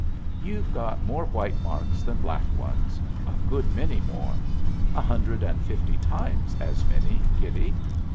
"You've got more white marks than black ones a good many more a hundred and fifty times as many, kiddie.